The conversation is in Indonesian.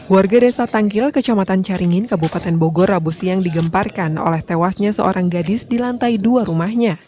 warga desa tangkil kecamatan caringin kabupaten bogor rabu siang digemparkan oleh tewasnya seorang gadis di lantai dua rumahnya